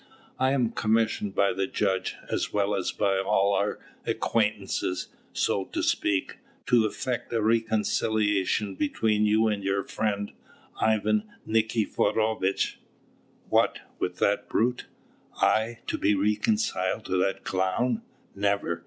I am commissioned by the judge, as well as by all our acquaintances, so to speak, to effect a reconciliation between you and your friend, Ivan Nikiforovitch." "What! with that brute! I to be reconciled to that clown! Never!